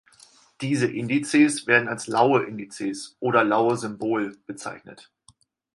Diese Indizes werden als Laue-Indizes oder "Laue-Symbol" bezeichnet.